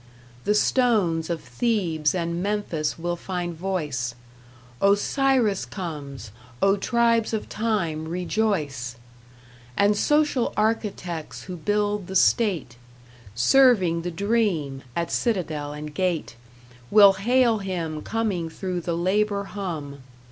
The stones of Thebes and Memphis will find voice: "Osiris comes: Oh tribes of Time, rejoice!" And social architects who build the State, Serving the Dream at citadel and gate, Will hail Him coming through the labor hum.